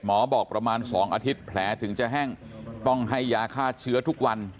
หมอบอกประมาณ๒อาทิตย์แผลถึงจะแห้งต้องให้ยาฆ่าเชื้อทุกวัน